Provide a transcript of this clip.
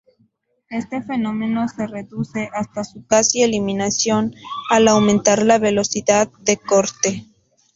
Este fenómeno se reduce, hasta su casi eliminación, al aumentar la velocidad de corte.